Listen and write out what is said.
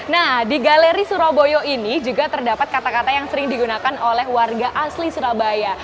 nah di galeri surabaya ini juga terdapat kata kata yang sering digunakan oleh warga asli surabaya